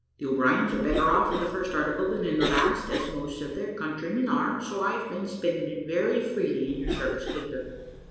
The O'Briens are better off in the first article than in the last, as most of their countrymen are, so I've been spending it very freely in your service, Peter.